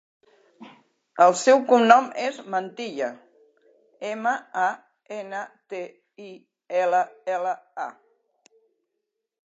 El seu cognom és Mantilla: ema, a, ena, te, i, ela, ela, a.